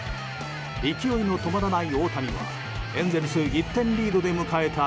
勢いの止まらない大谷はエンゼルス１点リードで迎えた